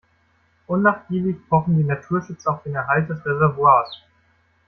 Unnachgiebig pochen die Naturschützer auf den Erhalt des Reservoirs.